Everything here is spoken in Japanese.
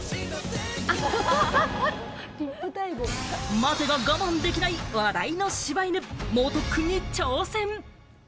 待てが我慢できない話題の柴犬、猛特訓に挑戦。